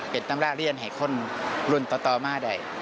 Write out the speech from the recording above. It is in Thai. เป็นตำราเรียนให้คนรุ่นต่อมาได้